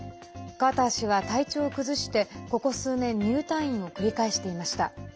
カーター氏は体調を崩してここ数年入退院を繰り返していました。